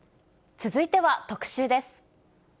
続いては特集です。